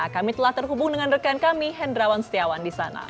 kami telah terhubung dengan rekan kami hendrawan setiawan disana